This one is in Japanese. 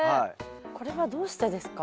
これはどうしてですか？